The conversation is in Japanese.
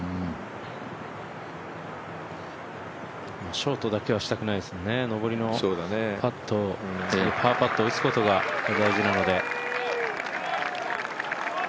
ショートだけはしたくないですもんね、上りのパーパットを打つことが大事なので。